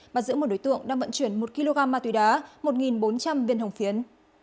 bắt giữ một đối tượng đang vận chuyển một kg ma túy đá một bốn trăm linh viên hồng phiến